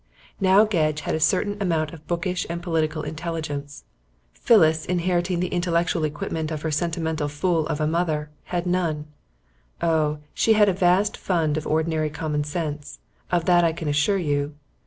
Now Gedge had a certain amount of bookish and political intelligence. Phyllis inheriting the intellectual equipment of her sentimental fool of a mother, had none, Oh! she had a vast fund of ordinary commonsense. Of that I can assure you.